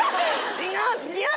違う。